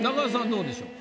どうでしょう？